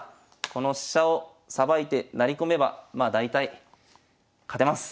この飛車をさばいて成り込めばまあ大体勝てます。